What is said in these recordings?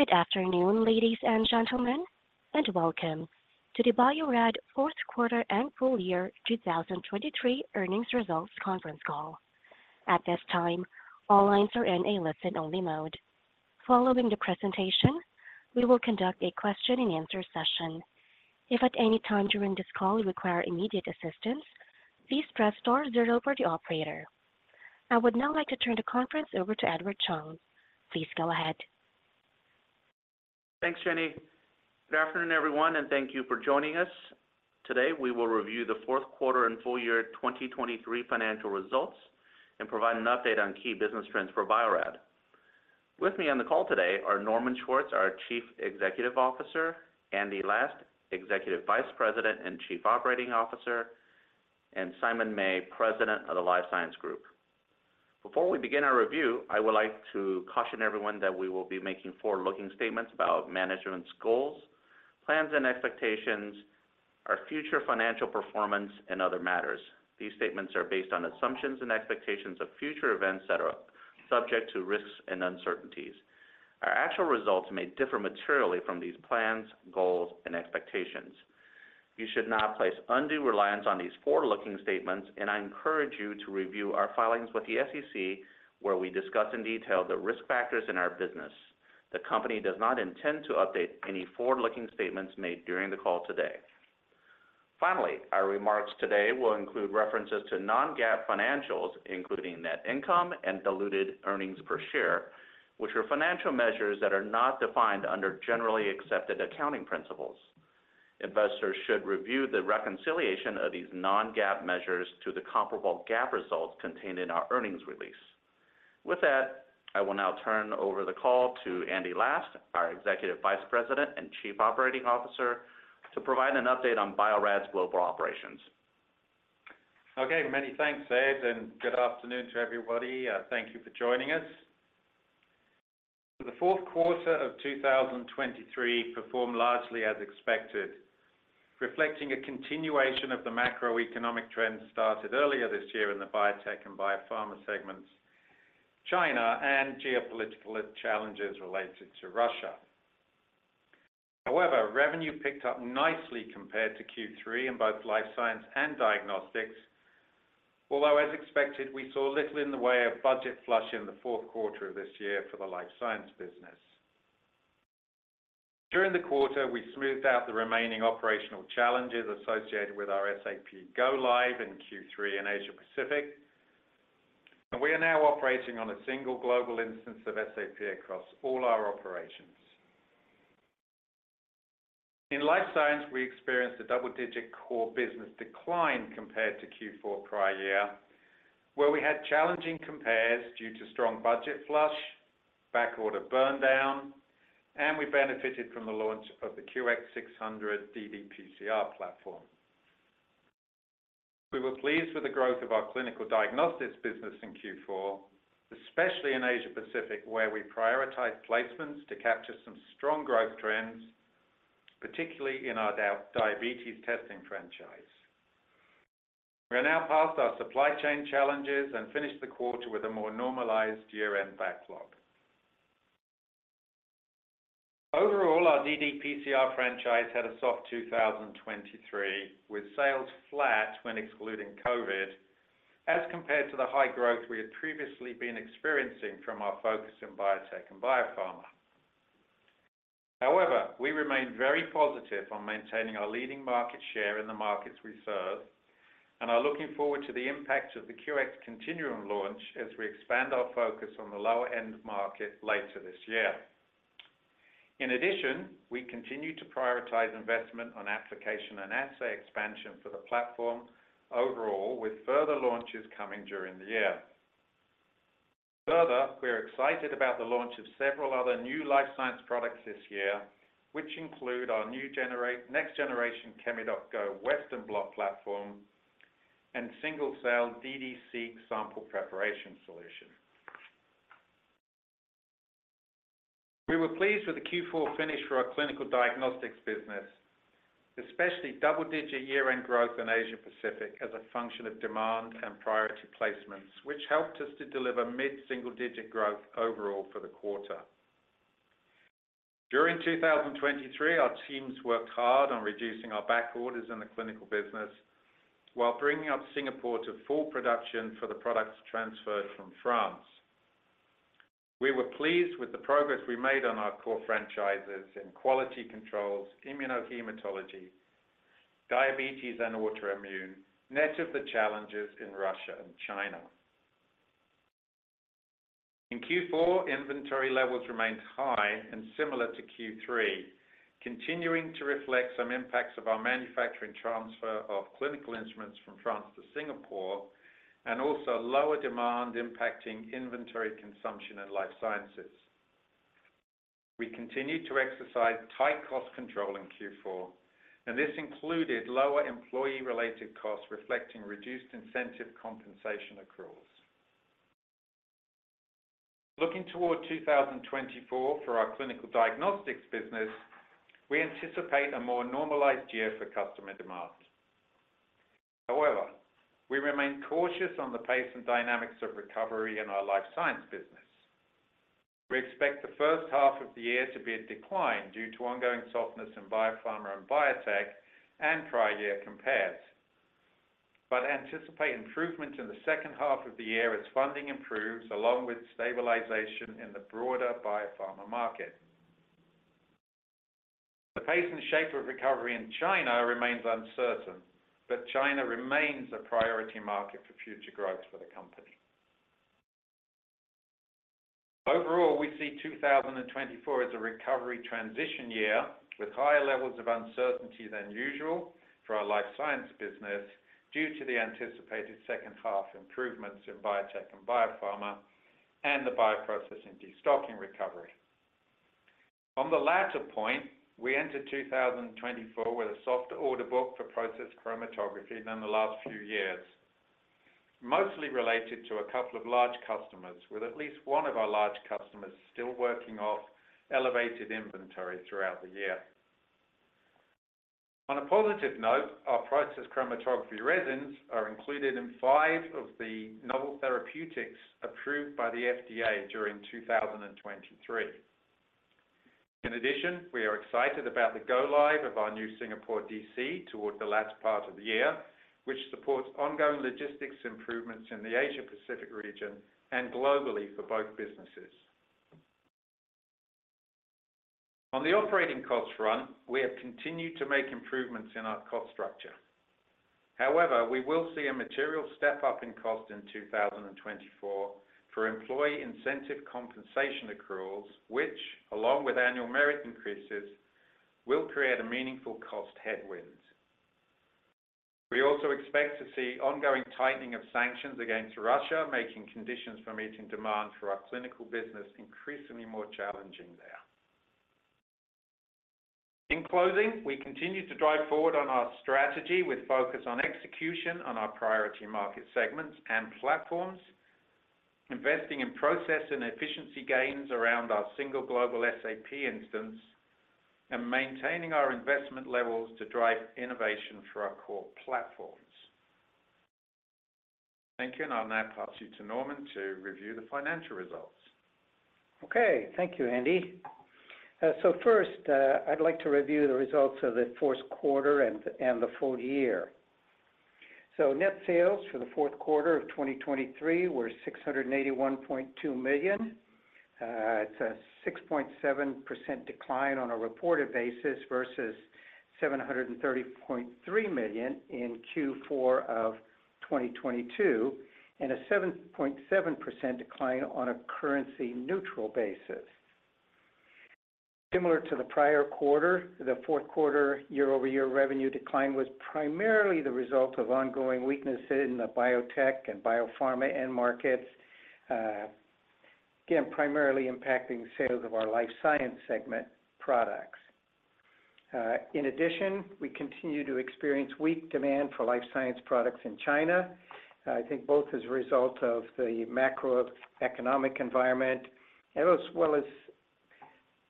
Good afternoon, ladies and gentlemen, and welcome to the Bio-Rad fourth quarter and full year 2023 earnings results conference call. At this time, all lines are in a listen-only mode. Following the presentation, we will conduct a question-and-answer session. If at any time during this call you require immediate assistance, please press star zero for the operator. I would now like to turn the conference over to Edward Chung. Please go ahead. Thanks, Jenny. Good afternoon, everyone, and thank you for joining us. Today, we will review the fourth quarter and full year 2023 financial results and provide an update on key business trends for Bio-Rad. With me on the call today are Norman Schwartz, our Chief Executive Officer, Andy Last, Executive Vice President and Chief Operating Officer, and Simon May, President of the Life Science Group. Before we begin our review, I would like to caution everyone that we will be making forward-looking statements about management's goals, plans and expectations, our future financial performance, and other matters. These statements are based on assumptions and expectations of future events that are subject to risks and uncertainties. Our actual results may differ materially from these plans, goals, and expectations. You should not place undue reliance on these forward-looking statements, and I encourage you to review our filings with the SEC, where we discuss in detail the risk factors in our business. The company does not intend to update any forward-looking statements made during the call today. Finally, our remarks today will include references to non-GAAP financials, including net income and diluted earnings per share, which are financial measures that are not defined under generally accepted accounting principles. Investors should review the reconciliation of these non-GAAP measures to the comparable GAAP results contained in our earnings release. With that, I will now turn over the call to Andy Last, our Executive Vice President and Chief Operating Officer, to provide an update on Bio-Rad's global operations. Okay, many thanks, Ed, and good afternoon to everybody. Thank you for joining us. The fourth quarter of 2023 performed largely as expected, reflecting a continuation of the macroeconomic trends started earlier this year in the biotech and biopharma segments, China, and geopolitical challenges related to Russia. However, revenue picked up nicely compared to Q3 in both Life Science and Diagnostics, although as expected, we saw little in the way of budget flush in the fourth quarter of this year for the Life Science business. During the quarter, we smoothed out the remaining operational challenges associated with our SAP go-live in Q3 in Asia Pacific, and we are now operating on a single global instance of SAP across all our operations. In life science, we experienced a double-digit core business decline compared to Q4 prior year, where we had challenging compares due to strong budget flush, backorder burn down, and we benefited from the launch of the QX600 ddPCR platform. We were pleased with the growth of our clinical diagnostics business in Q4, especially in Asia Pacific, where we prioritized placements to capture some strong growth trends, particularly in our diabetes testing franchise. We are now past our supply chain challenges and finished the quarter with a more normalized year-end backlog. Overall, our ddPCR franchise had a soft 2023, with sales flat when excluding COVID, as compared to the high growth we had previously been experiencing from our focus in biotech and biopharma. However, we remain very positive on maintaining our leading market share in the markets we serve and are looking forward to the impact of the QX Continuum launch as we expand our focus on the lower-end market later this year. In addition, we continue to prioritize investment on application and assay expansion for the platform overall, with further launches coming during the year. Further, we are excited about the launch of several other new life science products this year, which include our new next generation ChemiDoc Go Western blot platform and Single-Cell ddSEQ sample preparation solution. We were pleased with the Q4 finish for our clinical diagnostics business, especially double-digit year-end growth in Asia Pacific as a function of demand and priority placements, which helped us to deliver mid-single digit growth overall for the quarter. During 2023, our teams worked hard on reducing our backorders in the clinical business while bringing up Singapore to full production for the products transferred from France. We were pleased with the progress we made on our core franchises in quality controls, immunohematology, diabetes, and autoimmune, net of the challenges in Russia and China. In Q4, inventory levels remained high and similar to Q3, continuing to reflect some impacts of our manufacturing transfer of clinical instruments from France to Singapore, and also lower demand impacting inventory consumption in life sciences. We continued to exercise tight cost control in Q4, and this included lower employee-related costs, reflecting reduced incentive compensation accruals. Looking toward 2024 for our clinical diagnostics business, we anticipate a more normalized year for customer demand. We remain cautious on the pace and dynamics of recovery in our life science business. We expect the first half of the year to be a decline due to ongoing softness in biopharma and biotech, and prior year compares. But anticipate improvement in the second half of the year as funding improves, along with stabilization in the broader biopharma market. The pace and shape of recovery in China remains uncertain, but China remains a priority market for future growth for the company. Overall, we see 2024 as a recovery transition year, with higher levels of uncertainty than usual for our life science business, due to the anticipated second half improvements in biotech and biopharma, and the bioprocessing destocking recovery. On the latter point, we entered 2024 with a softer order book for process chromatography than the last few years. Mostly related to a couple of large customers, with at least one of our large customers still working off elevated inventory throughout the year. On a positive note, our process chromatography resins are included in five of the novel therapeutics approved by the FDA during 2023. In addition, we are excited about the go-live of our new Singapore DC toward the last part of the year, which supports ongoing logistics improvements in the Asia Pacific region and globally for both businesses. On the operating cost front, we have continued to make improvements in our cost structure. However, we will see a material step-up in cost in 2024 for employee incentive compensation accruals, which, along with annual merit increases, will create a meaningful cost headwind. We also expect to see ongoing tightening of sanctions against Russia, making conditions for meeting demand for our clinical business increasingly more challenging there. In closing, we continue to drive forward on our strategy with focus on execution on our priority market segments and platforms, investing in process and efficiency gains around our single global SAP instance, and maintaining our investment levels to drive innovation for our core platforms. Thank you, and I'll now pass you to Norman to review the financial results. Okay. Thank you, Andy. So first, I'd like to review the results of the fourth quarter and the full year. Net sales for the fourth quarter of 2023 were $681.2 million. It's a 6.7% decline on a reported basis versus $730.3 million in Q4 of 2022, and a 7.7% decline on a currency neutral basis. Similar to the prior quarter, the fourth quarter year-over-year revenue decline was primarily the result of ongoing weaknesses in the biotech and biopharma end markets, again, primarily impacting sales of our life science segment products. In addition, we continue to experience weak demand for life science products in China. I think both as a result of the macroeconomic environment, and as well as,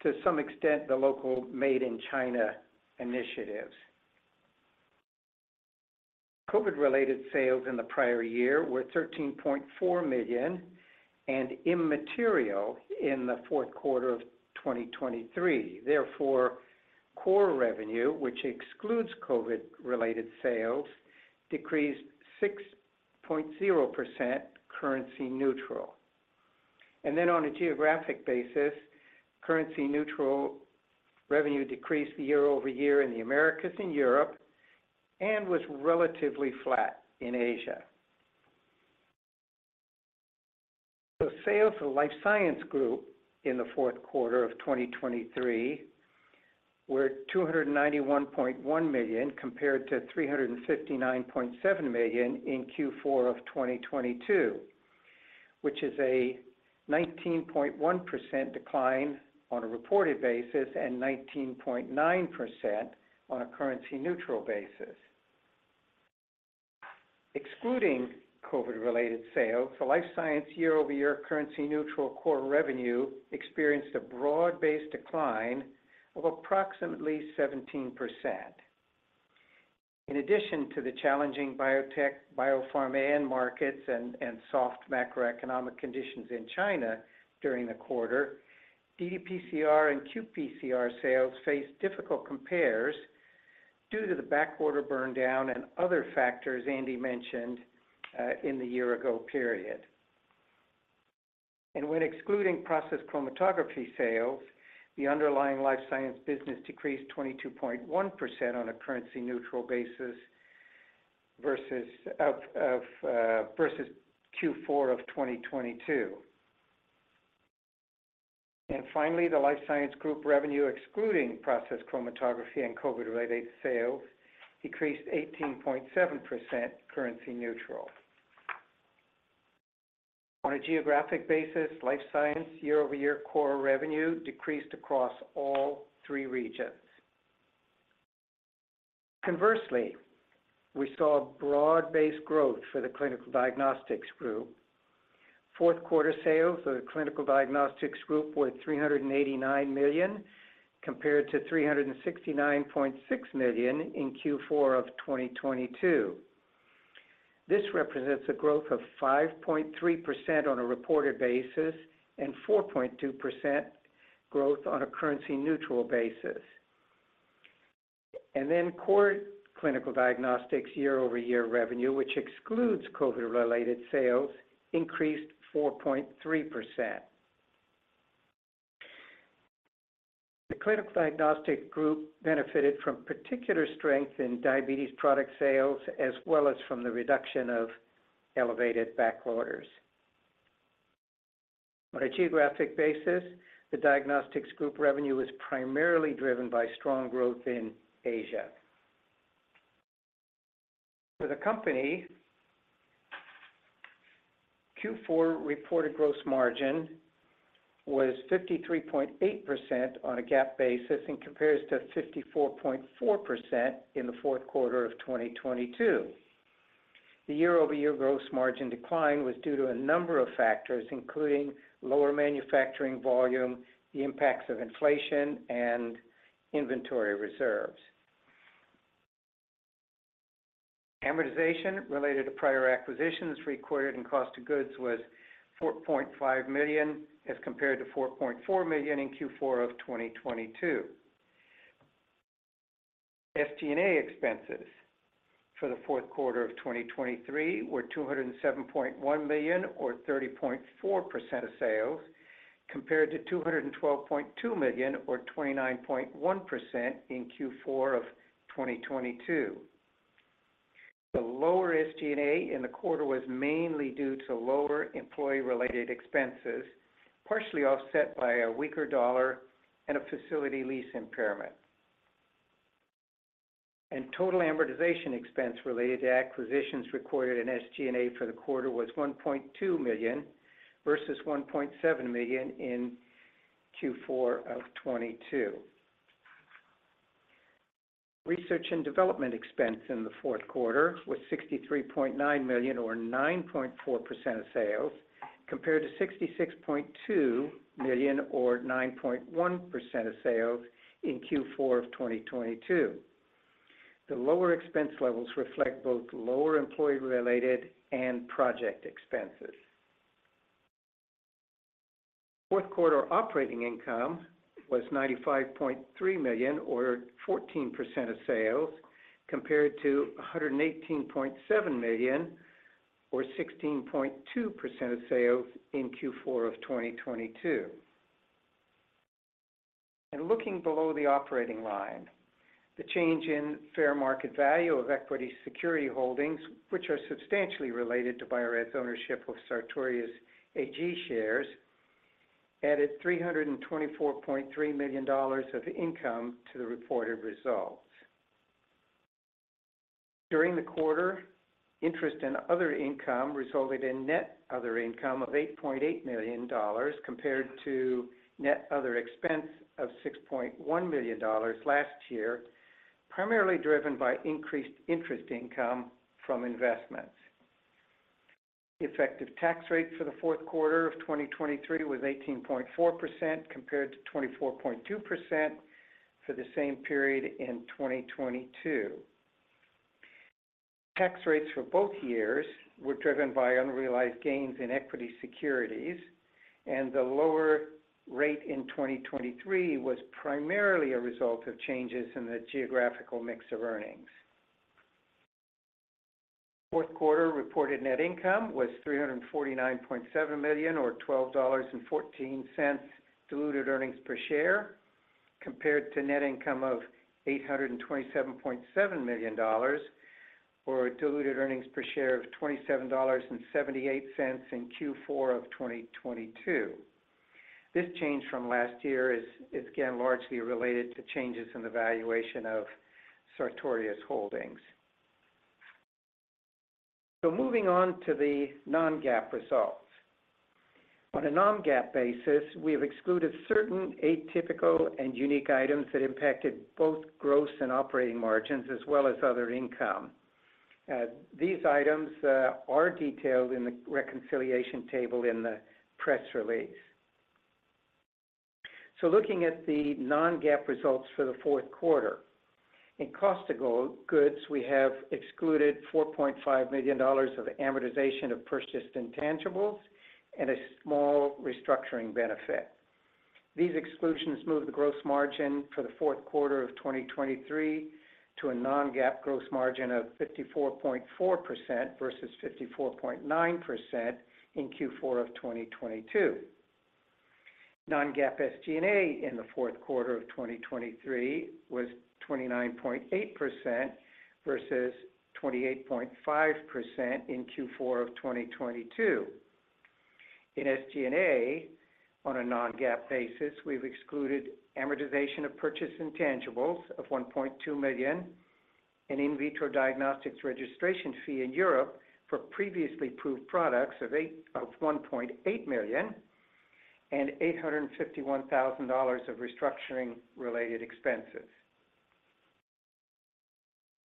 to some extent, the local Made-in-China initiatives. COVID-related sales in the prior year were $13.4 million and immaterial in the fourth quarter of 2023. Therefore, core revenue, which excludes COVID-related sales, decreased 6.0% currency neutral. Then on a geographic basis, currency neutral revenue decreased year-over-year in the Americas and Europe, and was relatively flat in Asia. Sales for the Life Science Group in the fourth quarter of 2023 were $291.1 million, compared to $359.7 million in Q4 of 2022, which is a 19.1% decline on a reported basis and 19.9% on a currency neutral basis. Excluding COVID-related sales, the Life Science year-over-year currency neutral core revenue experienced a broad-based decline of approximately 17%. In addition to the challenging biotech, biopharma end markets and soft macroeconomic conditions in China during the quarter, dPCR and qPCR sales faced difficult compares due to the backorder burn down and other factors Andy mentioned in the year-ago period. When excluding process chromatography sales, the underlying Life Science business decreased 22.1% on a currency neutral basis, versus Q4 of 2022. Finally, the Life Science group revenue, excluding process chromatography and COVID-related sales, decreased 18.7% currency neutral. On a geographic basis, Life Science year-over-year core revenue decreased across all three regions. Conversely, we saw broad-based growth for the clinical diagnostics group. Fourth quarter sales for the Clinical Diagnostics Group were $389 million, compared to $369.6 million in Q4 of 2022. This represents a growth of 5.3% on a reported basis and 4.2% growth on a currency-neutral basis. And then core clinical diagnostics year-over-year revenue, which excludes COVID-related sales, increased 4.3%. The Clinical Diagnostic Group benefited from particular strength in diabetes product sales, as well as from the reduction of elevated back orders. On a geographic basis, the diagnostics group revenue was primarily driven by strong growth in Asia. For the company, Q4 reported gross margin was 53.8% on a GAAP basis and compares to 54.4% in the fourth quarter of 2022. The year-over-year gross margin decline was due to a number of factors, including lower manufacturing volume, the impacts of inflation, and inventory reserves. Amortization related to prior acquisitions recorded in cost of goods was $4.5 million, as compared to $4.4 million in Q4 of 2022. SG&A expenses for the fourth quarter of 2023 were $207.1 million or 30.4% of sales, compared to $212.2 million or 29.1% in Q4 of 2022. The lower SG&A in the quarter was mainly due to lower employee-related expenses, partially offset by a weaker dollar and a facility lease impairment. Total amortization expense related to acquisitions recorded in SG&A for the quarter was $1.2 million versus $1.7 million in Q4 of 2022. Research and development expense in the fourth quarter was $63.9 million or 9.4% of sales, compared to $66.2 million or 9.1% of sales in Q4 of 2022. The lower expense levels reflect both lower employee-related and project expenses. Fourth quarter operating income was $95.3 million, or 14% of sales, compared to $118.7 million, or 16.2% of sales in Q4 of 2022. Looking below the operating line, the change in fair market value of equity security holdings, which are substantially related to Bio-Rad's ownership of Sartorius AG shares, added $324.3 million of income to the reported results. During the quarter, interest in other income resulted in net other income of $8.8 million, compared to net other expense of $6.1 million last year, primarily driven by increased interest income from investments. The effective tax rate for the fourth quarter of 2023 was 18.4%, compared to 24.2% for the same period in 2022. Tax rates for both years were driven by unrealized gains in equity securities, and the lower rate in 2023 was primarily a result of changes in the geographical mix of earnings. Fourth quarter reported net income was $349.7 million, or $12.14 diluted earnings per share, compared to net income of $827.7 million, or diluted earnings per share of $27.78 in Q4 of 2022. This change from last year is again largely related to changes in the valuation of Sartorius holdings. Moving on to the non-GAAP results. On a non-GAAP basis, we have excluded certain atypical and unique items that impacted both gross and operating margins, as well as other income. These items are detailed in the reconciliation table in the press release. Looking at the non-GAAP results for the fourth quarter. In cost of goods, we have excluded $4.5 million of amortization of purchased intangibles and a small restructuring benefit. These exclusions move the gross margin for the fourth quarter of 2023 to a non-GAAP gross margin of 54.4% versus 54.9% in Q4 of 2022. Non-GAAP SG&A in the fourth quarter of 2023 was 29.8% versus 28.5% in Q4 of 2022. In SG&A, on a non-GAAP basis, we've excluded amortization of purchased intangibles of $1.2 million, an in vitro diagnostics registration fee in Europe for previously approved products of $1.8 million, and $851,000 of restructuring-related expenses.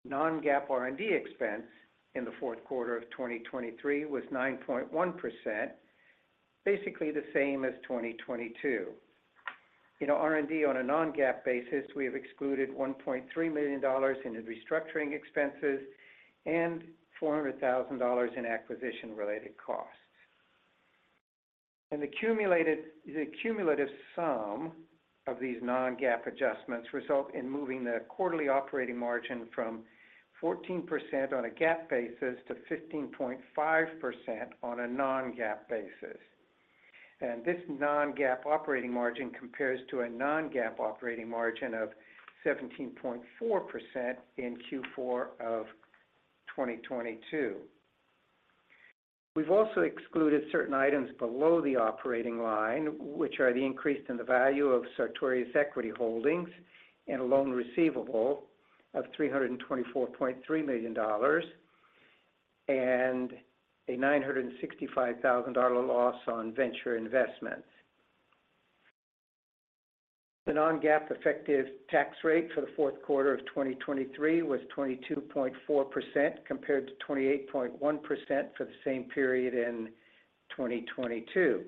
Non-GAAP R&D expense in the fourth quarter of 2023 was 9.1%, basically the same as 2022. In R&D on a non-GAAP basis, we have excluded $1.3 million in the restructuring expenses and $400,000 in acquisition-related costs. Accumulated, the cumulative sum of these non-GAAP adjustments result in moving the quarterly operating margin from 14% on a GAAP basis to 15.5% on a non-GAAP basis. This non-GAAP operating margin compares to a non-GAAP operating margin of 17.4% in Q4 of 2022. We've also excluded certain items below the operating line, which are the increase in the value of Sartorius equity holdings and a loan receivable of $324.3 million, and a $965,000 loss on venture investments. The non-GAAP effective tax rate for the fourth quarter of 2023 was 22.4%, compared to 28.1% for the same period in 2022.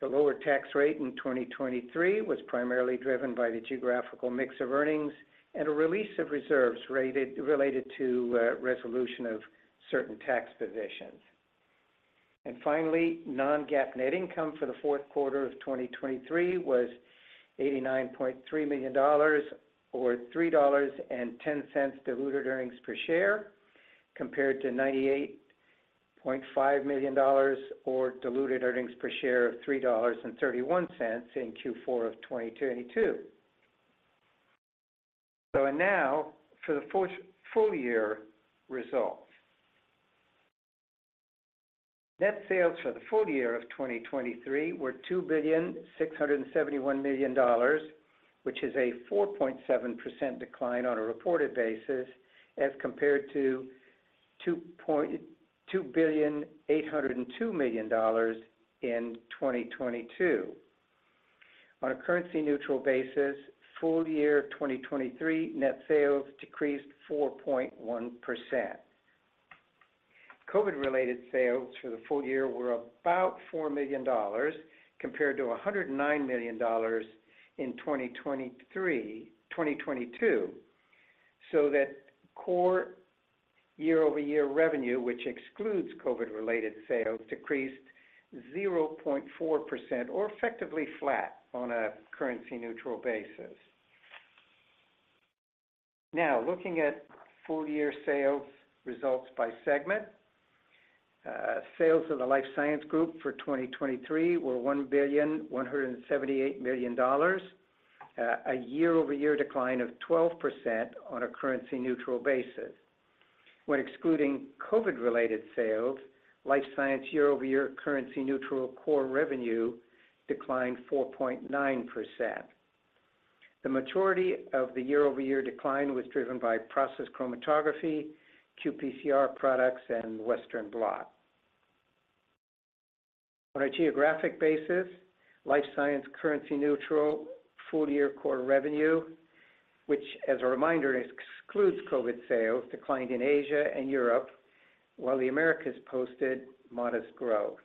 The lower tax rate in 2023 was primarily driven by the geographical mix of earnings and a release of reserves related to resolution of certain tax positions. And finally, non-GAAP net income for the fourth quarter of 2023 was $89.3 million, or $3.10 diluted earnings per share, compared to $98.5 million or diluted earnings per share of $3.31 in Q4 of 2022. Now for the full-year results. Net sales for the full year of 2023 were $2,671 million, which is a 4.7% decline on a reported basis as compared to $2,802 million in 2022. On a currency-neutral basis, full year 2023 net sales decreased 4.1%. COVID-related sales for the full year were about $4 million, compared to $109 million in 2022, so that core year-over-year revenue, which excludes COVID-related sales, decreased 0.4%, or effectively flat on a currency-neutral basis. Now, looking at full-year sales results by segment. Sales of the Life Science Group for 2023 were $1,178 million, a year-over-year decline of 12% on a currency-neutral basis. When excluding COVID-related sales, Life Science year-over-year currency neutral core revenue declined 4.9%. The majority of the year-over-year decline was driven by process chromatography, qPCR products, and Western Blot. On a geographic basis, Life Science currency neutral full-year core revenue, which as a reminder, excludes COVID sales, declined in Asia and Europe, while the Americas posted modest growth.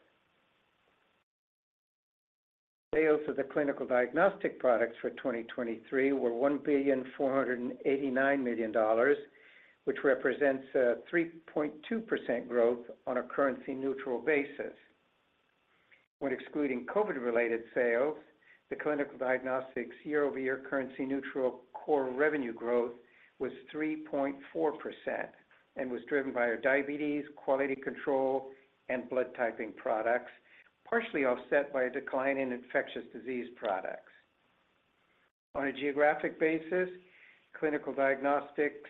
Sales of the clinical diagnostic products for 2023 were $1,489 million, which represents a 3.2% growth on a currency-neutral basis. When excluding COVID-related sales, the clinical diagnostics year-over-year currency neutral core revenue growth was 3.4% and was driven by our diabetes, quality control, and blood typing products, partially offset by a decline in infectious disease products. On a geographic basis, clinical diagnostics,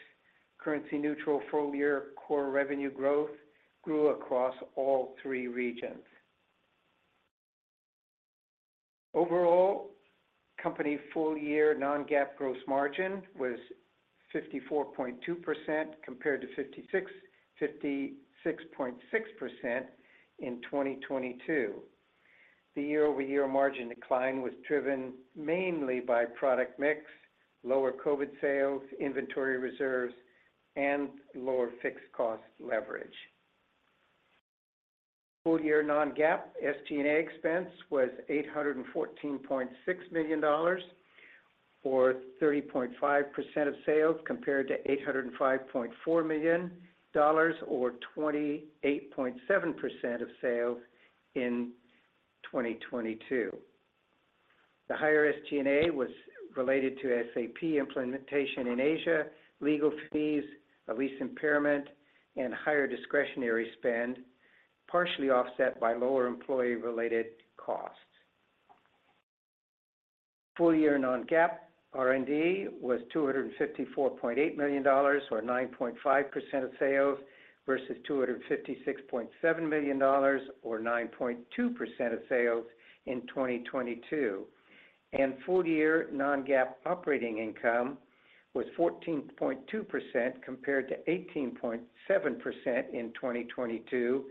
currency neutral full-year core revenue growth grew across all three regions. Overall, company full-year non-GAAP gross margin was 54.2%, compared to 56.6% in 2022. The year-over-year margin decline was driven mainly by product mix, lower COVID sales, inventory reserves, and lower fixed cost leverage. Full-year non-GAAP SG&A expense was $814.6 million, or 30.5% of sales, compared to $805.4 million or 28.7% of sales in 2022. The higher SG&A was related to SAP implementation in Asia, legal fees, a lease impairment, and higher discretionary spend, partially offset by lower employee-related costs. Full-year non-GAAP R&D was $254.8 million, or 9.5% of sales, versus $256.7 million, or 9.2% of sales in 2022. Full-year non-GAAP operating income was 14.2%, compared to 18.7% in 2022,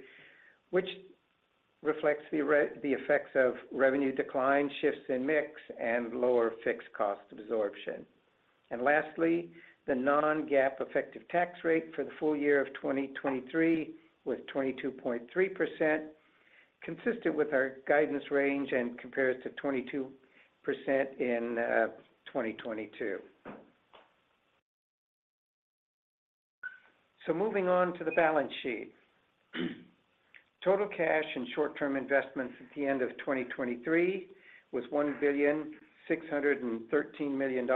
which reflects the effects of revenue decline, shifts in mix, and lower fixed cost absorption. Lastly, the non-GAAP effective tax rate for the full year of 2023 was 22.3%, consistent with our guidance range and compares to 22% in twenty twenty-two. So moving on to the balance sheet. Total cash and short-term investments at the end of 2023 was $1.613 billion,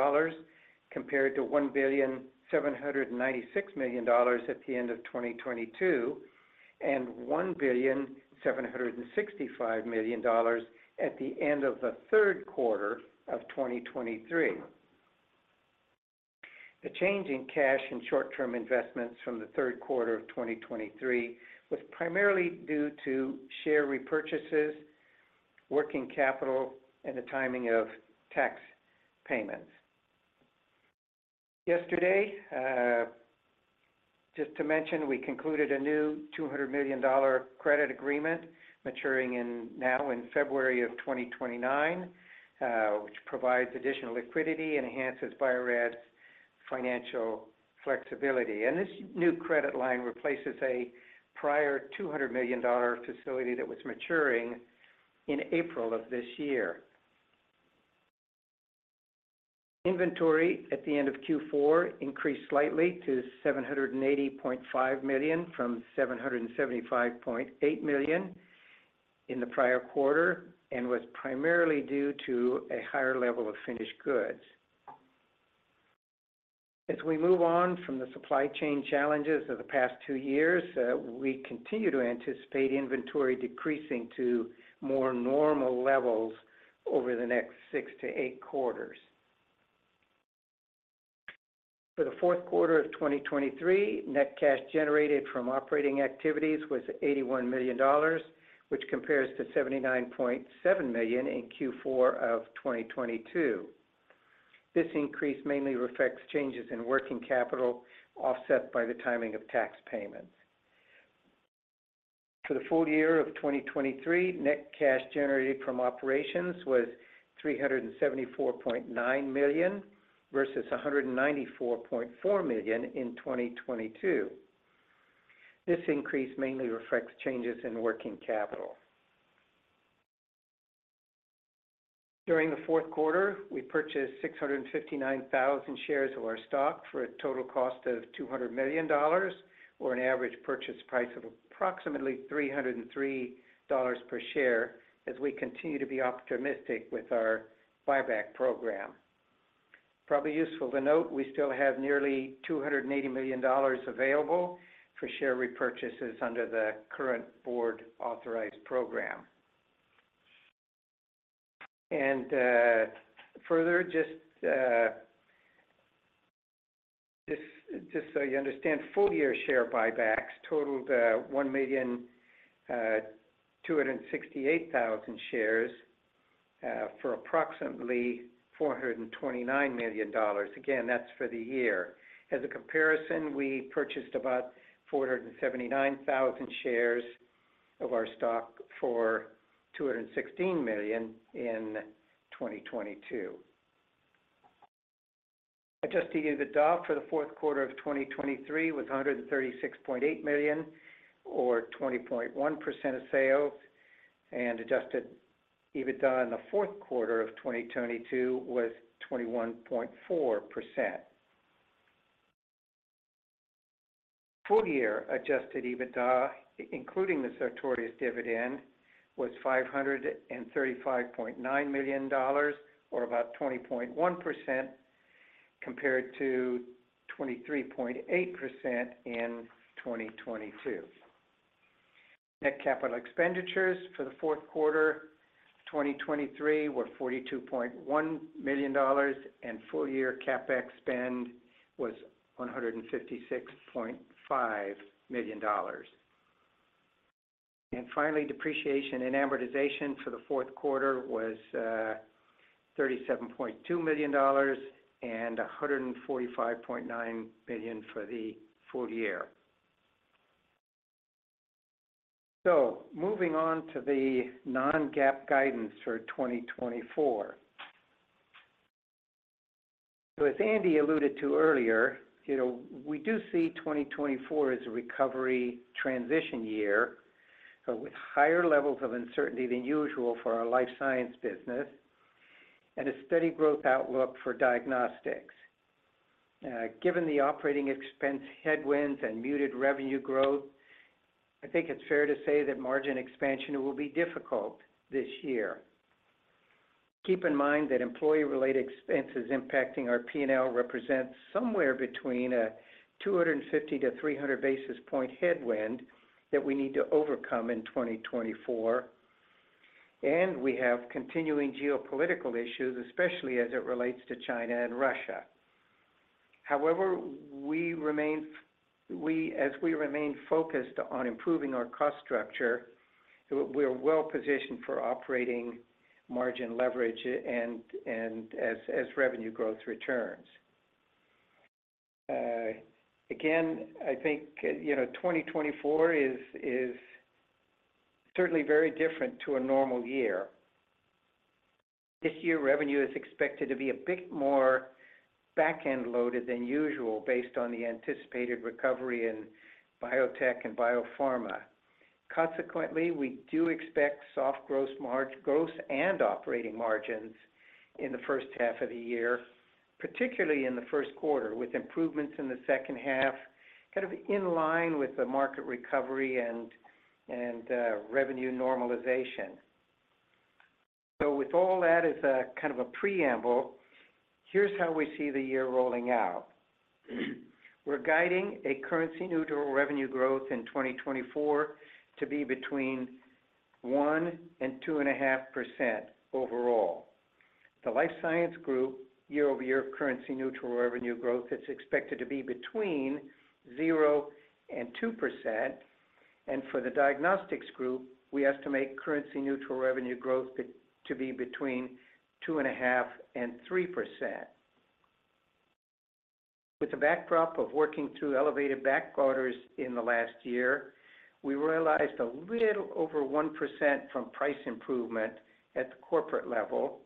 compared to $1.796 billion at the end of 2022, and $1.765 billion at the end of the third quarter of 2023. The change in cash and short-term investments from the third quarter of 2023 was primarily due to share repurchases, working capital, and the timing of tax payments. Yesterday, just to mention, we concluded a new $200 million credit agreement maturing in now in February 2029, which provides additional liquidity and enhances Bio-Rad's financial flexibility. This new credit line replaces a prior $200 million facility that was maturing in April of this year. Inventory at the end of Q4 increased slightly to $780.5 million, from $775.8 million in the prior quarter, and was primarily due to a higher level of finished goods. As we move on from the supply chain challenges of the past two years, we continue to anticipate inventory decreasing to more normal levels over the next 6-8 quarters. For the fourth quarter of 2023, net cash generated from operating activities was $81 million, which compares to $79.7 million in Q4 of 2022. This increase mainly reflects changes in working capital, offset by the timing of tax payments. For the full year of 2023, net cash generated from operations was $374.9 million versus $194.4 million in 2022. This increase mainly reflects changes in working capital. During the fourth quarter, we purchased 659,000 shares of our stock for a total cost of $200 million, or an average purchase price of approximately $303 per share, as we continue to be optimistic with our buyback program. Probably useful to note, we still have nearly $280 million available for share repurchases under the current board-authorized program. And, further, just so you understand, full-year share buybacks totaled 1,268,000 shares for approximately $429 million. Again, that's for the year. As a comparison, we purchased about 479,000 shares of our stock for $216 million in 2022. Adjusted EBITDA for the fourth quarter of 2023 was $136.8 million, or 20.1% of sales, and adjusted EBITDA in the fourth quarter of 2022 was 21.4%. Full-year adjusted EBITDA, including the Sartorius dividend, was $535.9 million, or about 20.1%, compared to 23.8% in 2022. Net capital expenditures for the fourth quarter 2023 were $42.1 million, and full-year CapEx spend was $156.5 million. And finally, depreciation and amortization for the fourth quarter was $37.2 million and $145.9 million for the full year. So moving on to the non-GAAP guidance for 2024. So as Andy alluded to earlier, you know, we do see 2024 as a recovery transition year, but with higher levels of uncertainty than usual for our life science business and a steady growth outlook for diagnostics. Given the operating expense headwinds and muted revenue growth, I think it's fair to say that margin expansion will be difficult this year. Keep in mind that employee-related expenses impacting our P&L represent somewhere between 250-300 basis point headwind that we need to overcome in 2024, and we have continuing geopolitical issues, especially as it relates to China and Russia. However, we remain focused on improving our cost structure, we are well-positioned for operating margin leverage and as revenue growth returns. Again, I think, you know, 2024 is certainly very different to a normal year. This year, revenue is expected to be a bit more back-end loaded than usual based on the anticipated recovery in biotech and biopharma. Consequently, we do expect soft gross margin, gross and operating margins in the first half of the year, particularly in the first quarter, with improvements in the second half, kind of in line with the market recovery and revenue normalization. So with all that as a kind of a preamble, here's how we see the year rolling out. We're guiding a currency-neutral revenue growth in 2024 to be between 1% and 2.5% overall. The life science group, year-over-year currency-neutral revenue growth is expected to be between 0% and 2%, and for the diagnostics group, we estimate currency-neutral revenue growth to be between 2.5% and 3%. With the backdrop of working through elevated back orders in the last year, we realized a little over 1% from price improvement at the corporate level,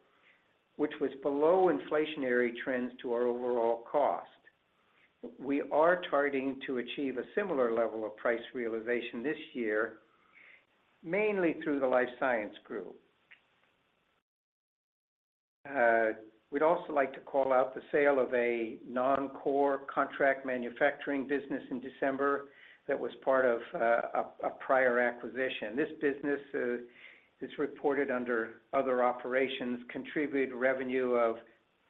which was below inflationary trends to our overall cost. We are targeting to achieve a similar level of price realization this year, mainly through the Life Science Group. We'd also like to call out the sale of a non-core contract manufacturing business in December that was part of a prior acquisition. This business is reported under other operations, contributed revenue of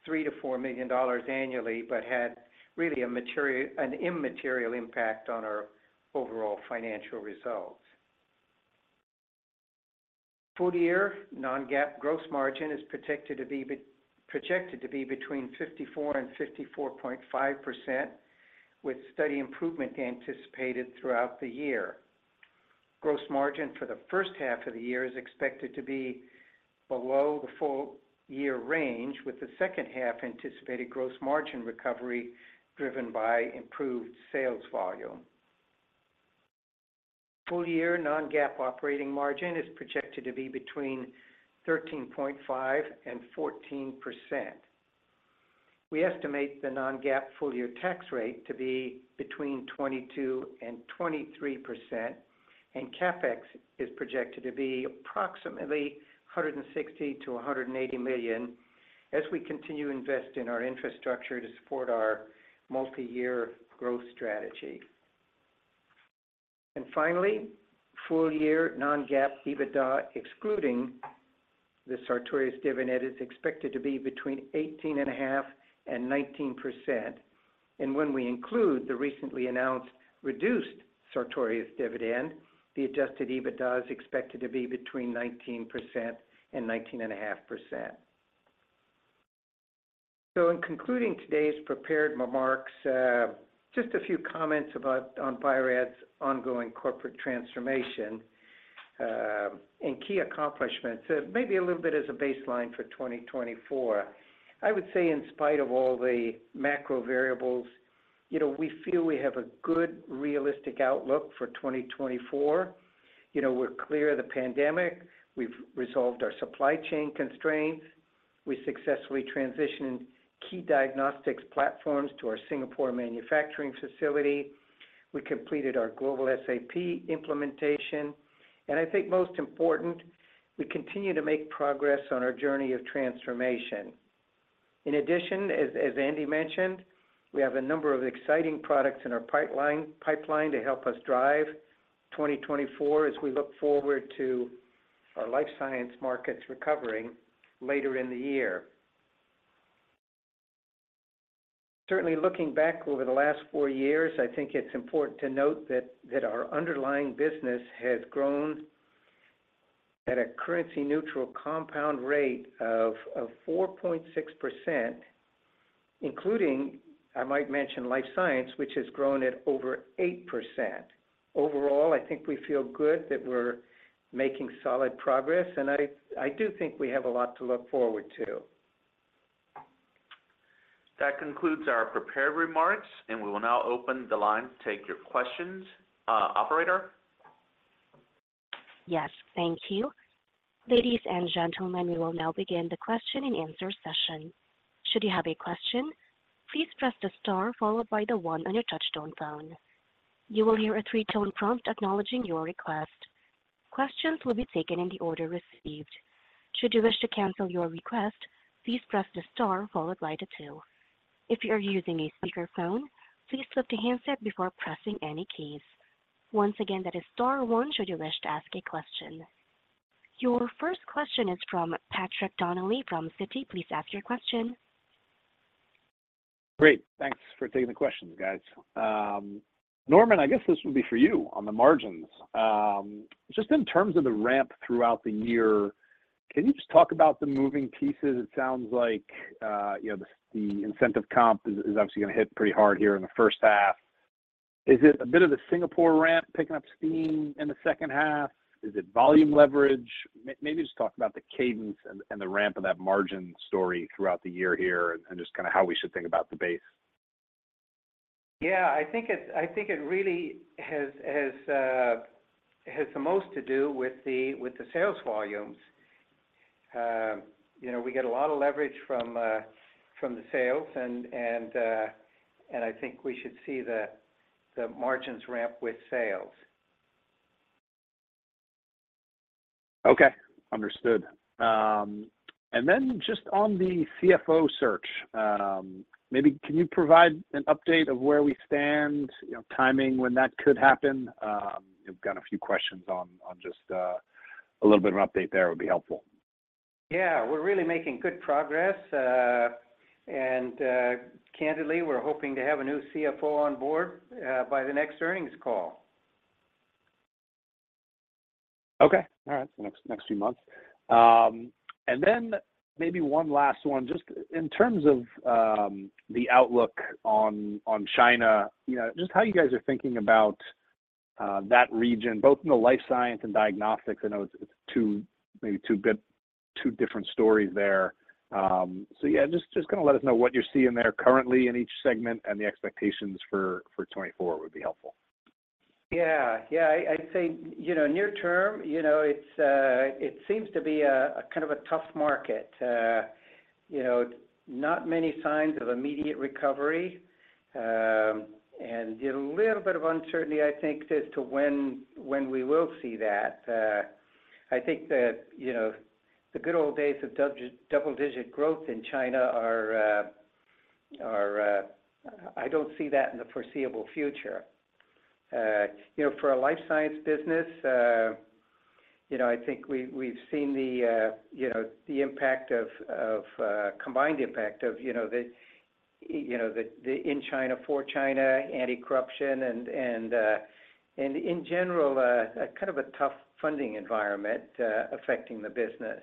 $3 million-$4 million annually, but had really an immaterial impact on our overall financial results. Full-year non-GAAP gross margin is projected to be between 54% and 54.5%, with steady improvement anticipated throughout the year. Gross margin for the first half of the year is expected to be below the full year range, with the second half anticipated gross margin recovery driven by improved sales volume. Full-year non-GAAP operating margin is projected to be between 13.5% and 14%. We estimate the non-GAAP full-year tax rate to be between 22% and 23%, and CapEx is projected to be approximately $160 million-$180 million as we continue to invest in our infrastructure to support our multi-year growth strategy. Finally, full-year non-GAAP EBITDA, excluding the Sartorius dividend, is expected to be between 18.5% and 19%. When we include the recently announced reduced Sartorius dividend, the adjusted EBITDA is expected to be between 19% and 19.5%. So in concluding today's prepared remarks, just a few comments about on Bio-Rad's ongoing corporate transformation, and key accomplishments, maybe a little bit as a baseline for 2024. I would say in spite of all the macro variables, you know, we feel we have a good, realistic outlook for 2024. You know, we're clear of the pandemic, we've resolved our supply chain constraints, we successfully transitioned key diagnostics platforms to our Singapore manufacturing facility, we completed our global SAP implementation, and I think most important, we continue to make progress on our journey of transformation. In addition, as Andy mentioned, we have a number of exciting products in our pipeline, pipeline to help us drive 2024 as we look forward to our life science markets recovering later in the year. Certainly, looking back over the last four years, I think it's important to note that our underlying business has grown at a currency-neutral compound rate of 4.6%, including, I might mention, life science, which has grown at over 8%. Overall, I think we feel good that we're making solid progress, and I do think we have a lot to look forward to. That concludes our prepared remarks, and we will now open the line to take your questions. Operator? Yes, thank you. Ladies and gentlemen, we will now begin the question and answer session. Should you have a question, please press the star followed by the one on your touchtone phone. You will hear a three-tone prompt acknowledging your request. Questions will be taken in the order received. Should you wish to cancel your request, please press the star followed by the two. If you are using a speakerphone, please lift the handset before pressing any keys. Once again, that is star one should you wish to ask a question. Your first question is from Patrick Donnelly from Citi. Please ask your question. Great. Thanks for taking the questions, guys. Norman, I guess this would be for you on the margins. Just in terms of the ramp throughout the year, can you just talk about the moving pieces? It sounds like, you know, the incentive comp is obviously going to hit pretty hard here in the first half.... Is it a bit of the Singapore ramp picking up steam in the second half? Is it volume leverage? Maybe just talk about the cadence and the ramp of that margin story throughout the year here, and just kind of how we should think about the base. Yeah, I think it really has the most to do with the sales volumes. You know, we get a lot of leverage from the sales and I think we should see the margins ramp with sales. Okay, understood. And then just on the CFO search, maybe can you provide an update of where we stand, you know, timing, when that could happen? We've got a few questions on just a little bit of an update there would be helpful. Yeah, we're really making good progress. And, candidly, we're hoping to have a new CFO on board by the next earnings call. Okay. All right, so next, next few months. And then maybe one last one. Just in terms of the outlook on, on China, you know, just how you guys are thinking about that region, both in the life science and diagnostics. I know it's, it's two, maybe two good-two different stories there. So yeah, just, just kind of let us know what you're seeing there currently in each segment, and the expectations for 2024 would be helpful. Yeah. Yeah, I'd say, you know, near term, you know, it's, it seems to be a kind of a tough market. You know, not many signs of immediate recovery, and a little bit of uncertainty, I think, as to when we will see that. I think that, you know, the good old days of double-digit growth in China are... I don't see that in the foreseeable future. You know, for our life science business, you know, I think we've seen the impact of the combined impact of, you know, the in China for China, anti-corruption, and in general, a kind of a tough funding environment affecting the business.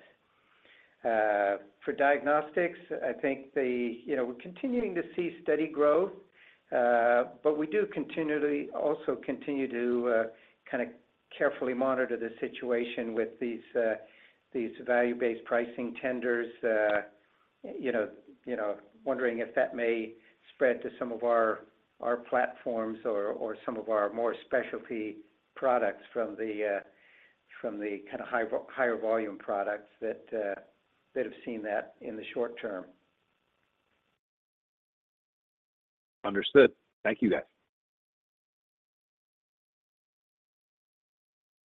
For diagnostics, I think, you know, we're continuing to see steady growth, but we do continually also continue to, kind of carefully monitor the situation with these, these value-based pricing tenders. You know, you know, wondering if that may spread to some of our, our platforms or, or some of our more specialty products from the, from the kind of higher volume products that, that have seen that in the short term. Understood. Thank you, guys.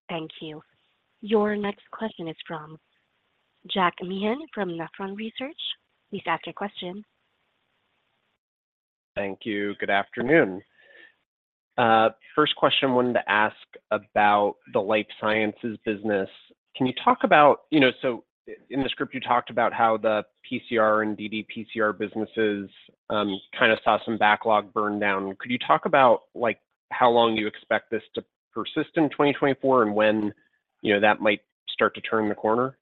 Thank you. Your next question is from Jack Meehan from Nephron Research. Please ask your question. Thank you. Good afternoon. First question I wanted to ask about the life sciences business. Can you talk about... You know, so in the script, you talked about how the PCR and ddPCR businesses, kind of saw some backlog burn down. Could you talk about, like, how long you expect this to persist in 2024, and when, you know, that might start to turn the corner?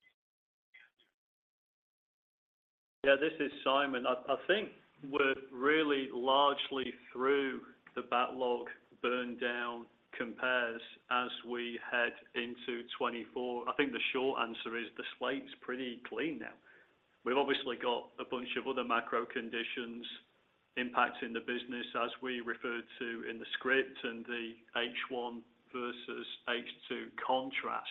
Yeah, this is Simon. I, I think we're really largely through the backlog burn down compares as we head into 2024. I think the short answer is the slate's pretty clean now. We've obviously got a bunch of other macro conditions impacting the business, as we referred to in the script, and the H1 versus H2 contrast.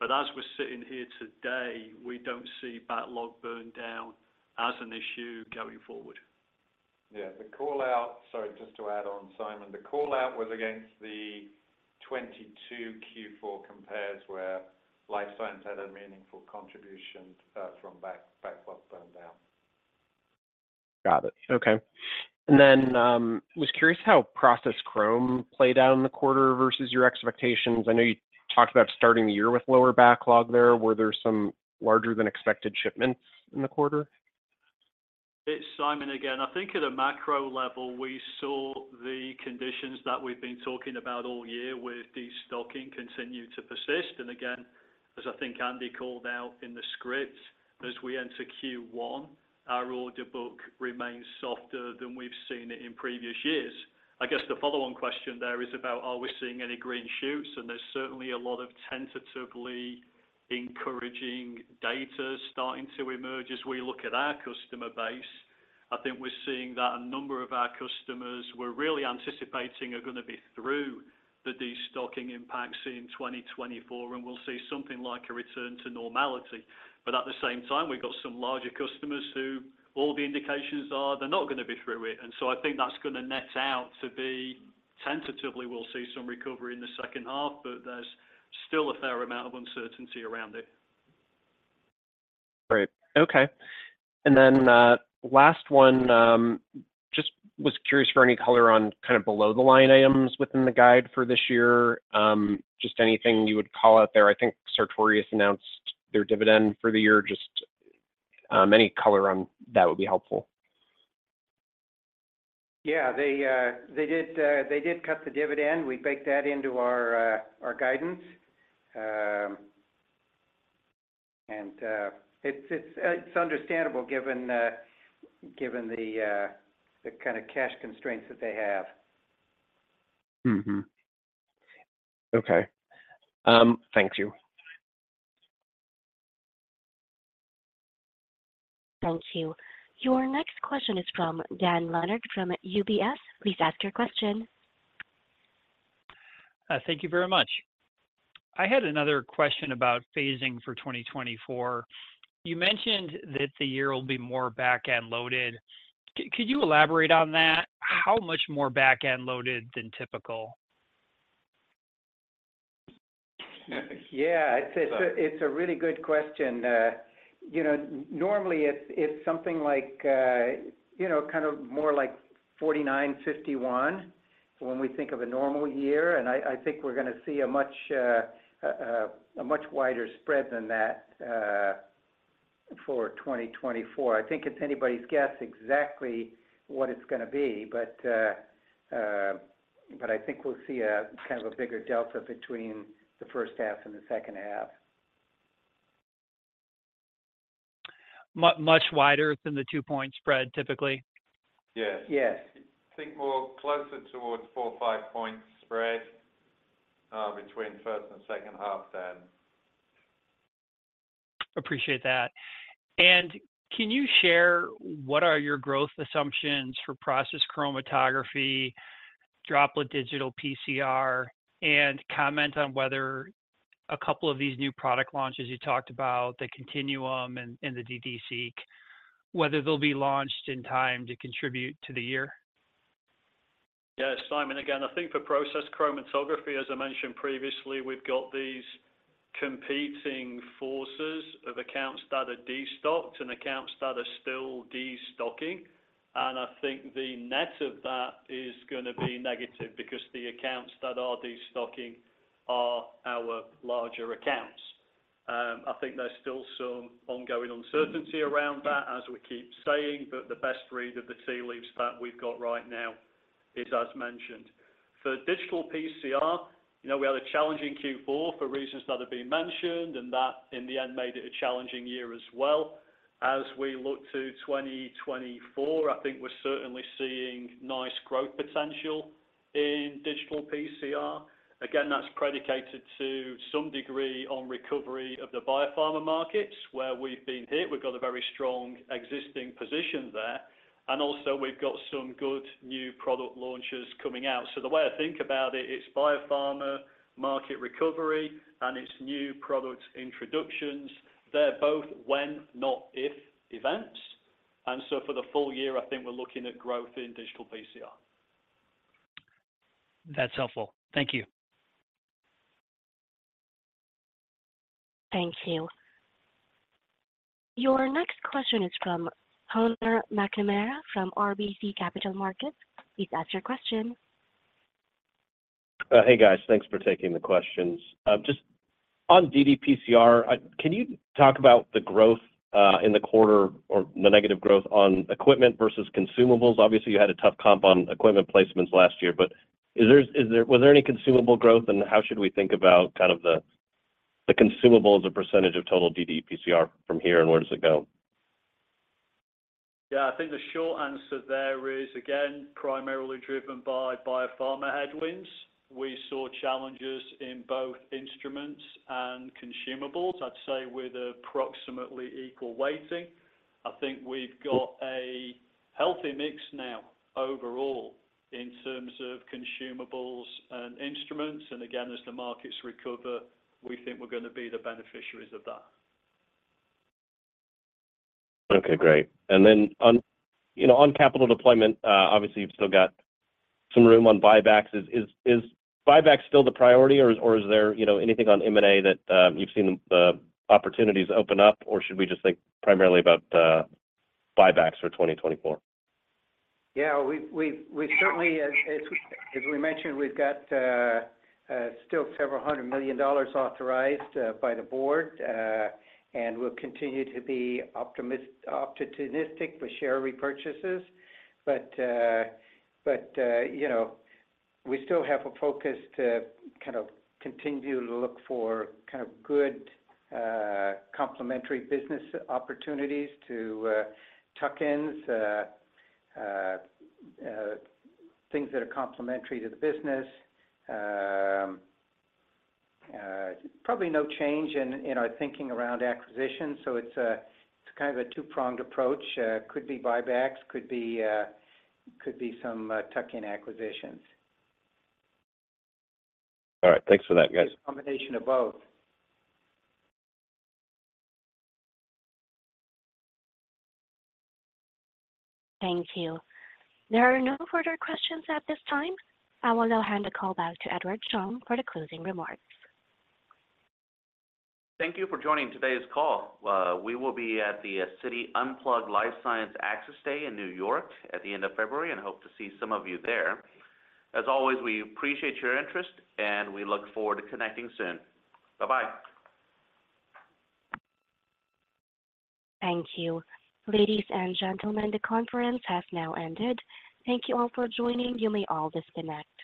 But as we're sitting here today, we don't see backlog burn down as an issue going forward. Yeah, the call out. Sorry, just to add on, Simon. The call out was against the 22 Q4 compares, where Life Science had a meaningful contribution from backlog burn down. Got it. Okay. And then, was curious how process chromatography played out in the quarter versus your expectations. I know you talked about starting the year with lower backlog there. Were there some larger than expected shipments in the quarter? It's Simon again. I think at a macro level, we saw the conditions that we've been talking about all year, where destocking continued to persist. And again, as I think Andy called out in the script, as we enter Q1, our order book remains softer than we've seen it in previous years. I guess the follow-on question there is about, are we seeing any green shoots? And there's certainly a lot of tentatively encouraging data starting to emerge. As we look at our customer base, I think we're seeing that a number of our customers we're really anticipating are going to be through the destocking impacts in 2024, and we'll see something like a return to normality. But at the same time, we've got some larger customers who all the indications are, they're not going to be through it. I think that's going to net out to be tentatively, we'll see some recovery in the second half, but there's still a fair amount of uncertainty around it. Great. Okay. And then, last one, just was curious for any color on kind of below-the-line items within the guide for this year. Just anything you would call out there. I think Sartorius announced their dividend for the year. Just, any color on that would be helpful. Yeah, they did cut the dividend. We baked that into our guidance. It's understandable, given the kind of cash constraints that they have. Mm-hmm. Okay. Thank you. Thank you. Your next question is from Dan Leonard from UBS. Please ask your question. Thank you very much. I had another question about phasing for 2024. You mentioned that the year will be more back-end loaded. Could you elaborate on that? How much more back-end loaded than typical? Yeah, it's a really good question. You know, normally, it's something like, you know, kind of more like 49, 51 when we think of a normal year, and I think we're gonna see a much wider spread than that for 2024. I think it's anybody's guess exactly what it's gonna be, but I think we'll see a kind of a bigger delta between the first half and the second half. Much wider than the 2-point spread, typically? Yes. Yes. I think more closer towards 4-5-point spread between first and second half, Dan. Appreciate that. Can you share what are your growth assumptions for Process Chromatography, Droplet Digital PCR, and comment on whether a couple of these new product launches you talked about, the Continuum and, and the DDSeq, whether they'll be launched in time to contribute to the year? Yes, Simon, again, I think for process chromatography, as I mentioned previously, we've got these competing forces of accounts that are destocked and accounts that are still destocking. I think the net of that is gonna be negative because the accounts that are destocking are our larger accounts. I think there's still some ongoing uncertainty around that, as we keep saying, but the best read of the tea leaves that we've got right now is, as mentioned. For digital PCR, you know, we had a challenging Q4 for reasons that have been mentioned, and that, in the end, made it a challenging year as well. As we look to 2024, I think we're certainly seeing nice growth potential in digital PCR. Again, that's predicated to some degree on recovery of the biopharma markets, where we've been hit. We've got a very strong existing position there, and also we've got some good new product launches coming out. So the way I think about it, it's biopharma market recovery and it's new product introductions. They're both when, not if, events. And so for the full year, I think we're looking at growth in digital PCR. That's helpful. Thank you. Thank you. Your next question is from Conor McNamara from RBC Capital Markets. Please ask your question. Hey, guys. Thanks for taking the questions. Just on ddPCR, can you talk about the growth in the quarter or the negative growth on equipment versus consumables? Obviously, you had a tough comp on equipment placements last year, but is there, is there, was there any consumable growth, and how should we think about kind of the consumable as a percentage of total ddPCR from here, and where does it go? Yeah, I think the short answer there is, again, primarily driven by biopharma headwinds. We saw challenges in both instruments and consumables, I'd say, with approximately equal weighting. I think we've got a healthy mix now overall in terms of consumables and instruments, and again, as the markets recover, we think we're gonna be the beneficiaries of that. Okay, great. And then on, you know, on capital deployment, obviously, you've still got some room on buybacks. Is buyback still the priority, or is there, you know, anything on M&A that you've seen the opportunities open up, or should we just think primarily about buybacks for 2024? Yeah, we've certainly, as we mentioned, we've got still several hundred million dollars authorized by the board, and we'll continue to be opportunistic for share repurchases. But you know, we still have a focus to kind of continue to look for kind of good complementary business opportunities to tuck-ins, things that are complementary to the business. Probably no change in our thinking around acquisition, so it's kind of a two-pronged approach. Could be buybacks, could be some tuck-in acquisitions. All right. Thanks for that, guys. Combination of both. Thank you. There are no further questions at this time. I will now hand the call back to Edward Chung for the closing remarks. Thank you for joining today's call. We will be at the Citi Unplugged Life Sciences Access Day in New York at the end of February, and hope to see some of you there. As always, we appreciate your interest, and we look forward to connecting soon. Bye-bye. Thank you. Ladies and gentlemen, the conference has now ended. Thank you all for joining. You may all disconnect.